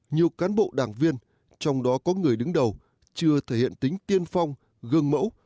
nhiều cán bộ đảng viên trong đó có người đứng đầu chưa thể hiện tính tiên phong gương mẫu